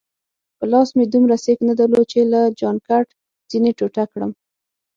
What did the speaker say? په لاس مې دومره سېک نه درلود چي له جانکټ ځینې ټوټه کړم.